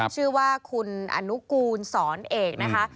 ชื่อว่าคุณอนุกูลสอนเอกนะคะ